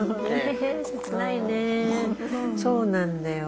そうなんだよ。